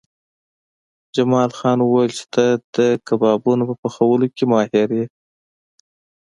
جمال خان وویل چې ته د کبابونو په پخولو کې ماهر یې